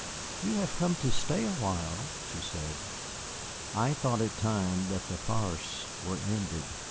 "You have come to stay awhile?" she said. I thought it time that the farce were ended.